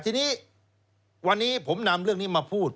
ทีนี้วันนี้ผมนำเรื่องนี้มาพูด